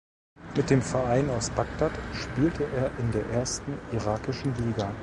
Mit dem Verein aus Bagdad spielte er in der ersten irakischen Liga.